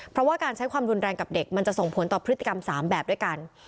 เพราะว่าการใช้ความรุนแรงกับเด็กมันจะส่งผลต่อพฤติกรรม๓แบบด้วยกัน